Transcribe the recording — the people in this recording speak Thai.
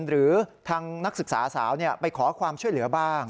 หรือทางนักศึกษาสาวไปขอความช่วยเหลือบ้าง